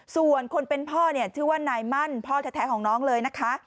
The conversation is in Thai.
ส่วนคนเป็นพ่อเนี่ยชื่อว่านายมั่นพ่อแท้ของน้องเลยนะคะ